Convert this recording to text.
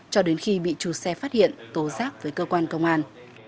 cho đến khi bị chủ xe phát hiện tố giác với cơ quan công an